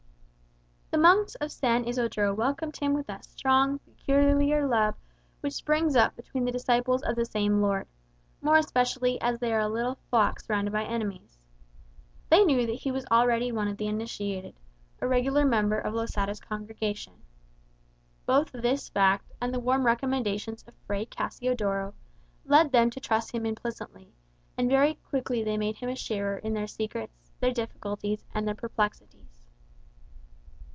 The monks of San Isodro welcomed him with that strong, peculiar love which springs up between the disciples of the same Lord, more especially when they are a little flock surrounded by enemies. They knew that he was already one of the initiated, a regular member of Losada's congregation. Both this fact, and the warm recommendations of Fray Cassiodoro, led them to trust him implicitly; and very quickly they made him a sharer in their secrets, their difficulties, and their perplexities.